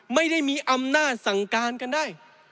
ไม่ได้มีอำนาจสั่งการกันได้